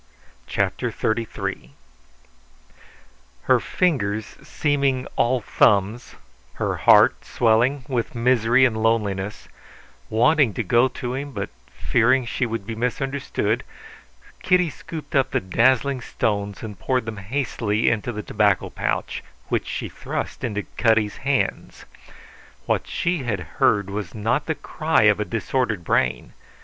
CHAPTER XXXIII Her fingers seemingly all thumbs, her heart swelling with misery and loneliness, wanting to go to him but fearing she would be misunderstood, Kitty scooped up the dazzling stones and poured them hastily into the tobacco pouch, which she thrust into Cutty's hands. What she had heard was not the cry of a disordered brain.